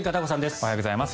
おはようございます。